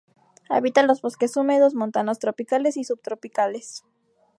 Habita los bosques húmedos montanos tropicales y subtropicales.